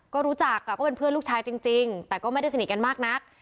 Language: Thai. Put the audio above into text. ก็รู้จักก็เป็นเพื่อนลูกชายจริงแต่ก็ไม่ได้สนิทกันมากนัก